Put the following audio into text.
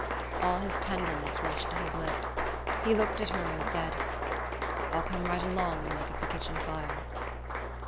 All his tenderness rushed to his lips. He looked at her and said: "I'll come right along and make up the kitchen fire."